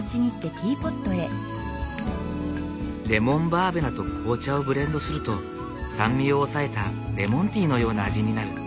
レモンバーベナと紅茶をブレンドすると酸味を抑えたレモンティーのような味になる。